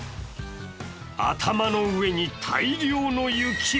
頭の上に大量の雪。